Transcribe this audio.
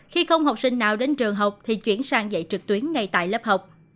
khi không học sinh nào đến trường học thì chuyển sang dạy trực tuyến ngay tại lớp học